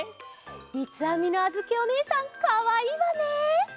みつあみのあづきおねえさんかわいいわね。